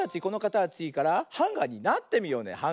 このかたちからハンガーになってみようね。